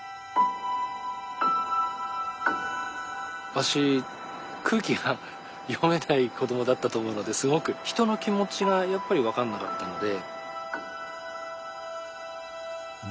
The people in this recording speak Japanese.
私空気が読めない子どもだったと思うのですごく人の気持ちがやっぱり分かんなかったので。